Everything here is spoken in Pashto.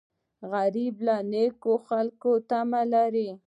غریب له نیکو خلکو تمه لري